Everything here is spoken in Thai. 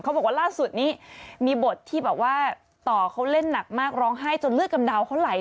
บอกว่าล่าสุดนี้มีบทที่แบบว่าต่อเขาเล่นหนักมากร้องไห้จนเลือดกำเดาเขาไหล